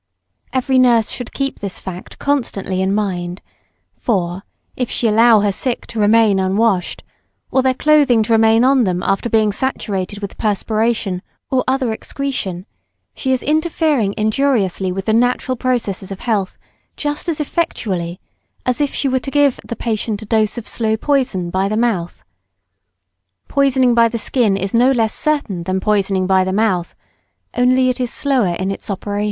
Every nurse should keep this fact constantly in mind, for, if she allow her sick to remain unwashed, or their clothing to remain on them after being saturated with perspiration or other excretion, she is interfering injuriously with the natural processes of health just as effectually as if she were to give the patient a dose of slow poison by the mouth. Poisoning by the skin is no less certain than poisoning by the mouth only it is slower in its operation.